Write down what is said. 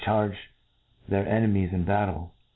charge their enemies in battle.